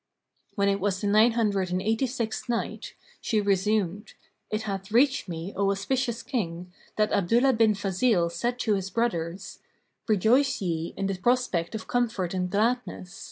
When it was the Nine Hundred and Eighty sixth Night, She resumed, It hath reached me, O auspicious King, that Abdullah bin Fazil said to his brothers, "Rejoice ye in the prospect of comfort and gladness."